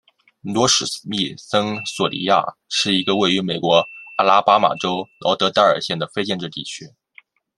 罗史密森索尼亚是一个位于美国阿拉巴马州劳德代尔县的非建制地区。